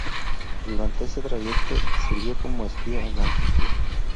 Durante ese trayecto, sirvió como espía en Austria.